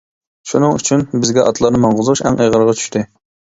شۇنىڭ ئۈچۈن، بىزگە ئاتلارنى ماڭغۇزۇش ئەڭ ئېغىرغا چۈشتى.